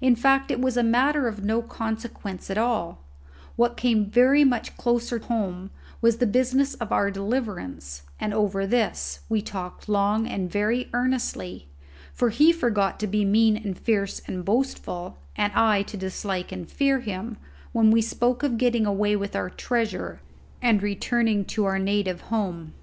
In fact, it was a matter of no consequence at all; what came very much closer home was the business of our deliverance, and over this we talked long and very earnestly, for he forgot to be mean and fierce and boastful, and I to dislike and fear him, when we spoke of getting away with our treasure, and returning to our native home.